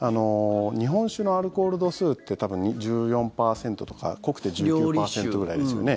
日本酒のアルコール度数って多分１４％とか濃くて１９％ぐらいですよね。